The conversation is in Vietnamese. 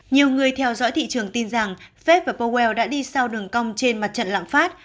nhiều người theo dõi thị trường tin rằng fed và powell đã đi sau đường cong trên mặt trận lạm phát